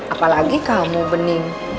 apalagi kamu bening